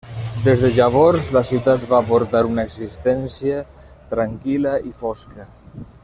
Des de llavors la ciutat va portar una existència tranquil·la i fosca.